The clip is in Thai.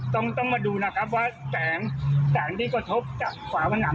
ต้องต้องมาดูนะครับว่าแสงแสงที่กระทบจากฝาผนัม